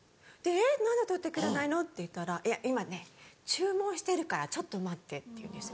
「えっ何で取ってくれないの？」って言ったら「今ね注文してるからちょっと待って」って言うんです。